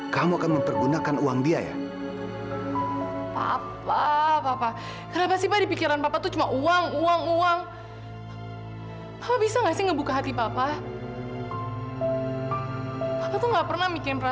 sampai jumpa di video selanjutnya